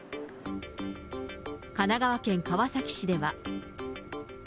神奈川県川崎市では。